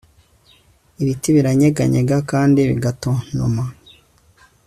ibiti biranyeganyega kandi bigatontoma